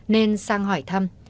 nên sang hỏi thăm